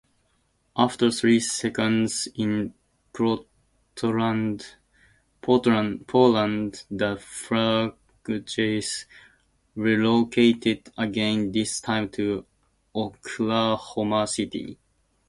After three seasons in Portland, the franchise relocated again, this time to Oklahoma City.